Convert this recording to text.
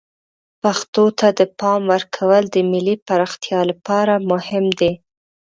پښتو ته د پام ورکول د ملی پراختیا لپاره مهم دی.